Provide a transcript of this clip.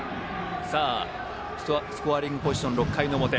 スコアリングポジション６回の表。